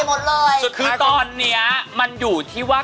วันที่เธอพบมันในหัวใจฉัน